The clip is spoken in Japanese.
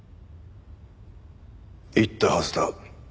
言ったはずだ。